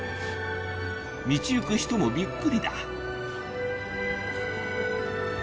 道行く人もびっくりだ